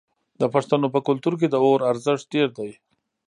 د پښتنو په کلتور کې د اور ارزښت ډیر دی.